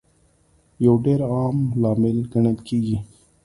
یو ډېر عام لامل ګڼل کیږي